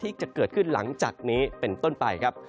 ที่จะเกิดขึ้นหลังจากนี้เป็นต้นไปครับ